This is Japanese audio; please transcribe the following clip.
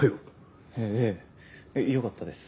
ええよかったです。